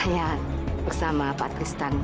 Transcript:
ya bersama pak tristan